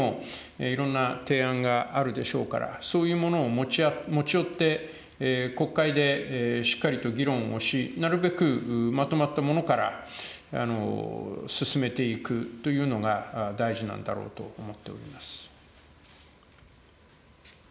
もちろん野党にもいろんな提案があるでしょうから、そういうものを持ち寄って、国会でしっかりと議論を進めて、なるべくまとまったものから進めていくというのが大事なんだろうと思っております。